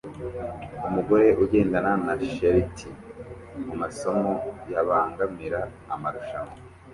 Umugore ugendana na Sheltie mumasomo yabangamira amarushanwa